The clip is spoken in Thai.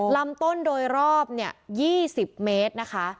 ลำต้นโดยรอบ๒๐เมตรนะคะ